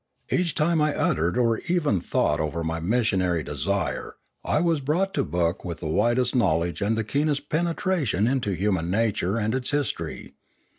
Each time I uttered or even thought over my missionary desire, I was brought to book with the widest of knowledge and the keenest of penetration into human nature and its history.